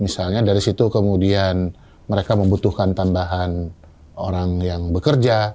misalnya dari situ kemudian mereka membutuhkan tambahan orang yang bekerja